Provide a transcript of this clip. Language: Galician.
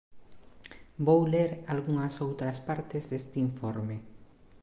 Vou ler algunhas outras partes deste informe.